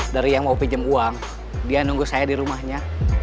dari yang mau pinjam uang dia nunggu saya di rumahnya